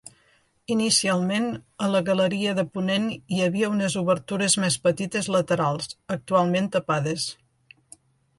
Inicialment, a la galeria de ponent hi havia unes obertures més petites laterals, actualment tapades.